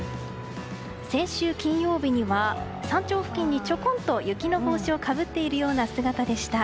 先週金曜日には山頂付近にちょこんと雪の帽子をかぶっているような姿でした。